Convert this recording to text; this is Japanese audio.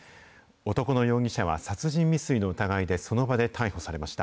男の容疑者は殺人未遂の疑いでその場で逮捕されました。